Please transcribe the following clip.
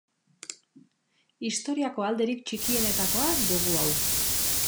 Historiako alderik txikienetakoa dugu hau.